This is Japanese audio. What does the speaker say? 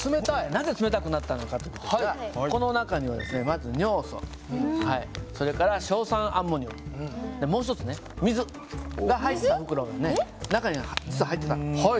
なぜ冷たくなったのかという事ですがこの中にはですねまず尿素それから硝酸アンモニウムもう一つ水が入った袋が中に実は入ってた。